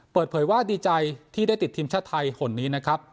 เปิดเผยว่าดีใจที่ได้ติดทีมชาติไทยคนนี้นะครับ